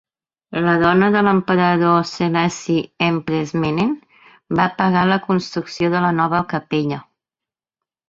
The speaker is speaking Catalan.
La dona de l'emperador Selassie, Empress Menen, va pagar la construcció de la nova capella.